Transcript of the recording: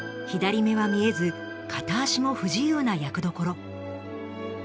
左目は見えず片足も不自由な役どころ。